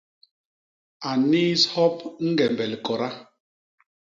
A nniis hop ñgembe likoda.